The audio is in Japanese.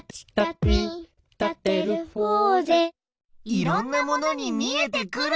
いろんなものにみえてくる！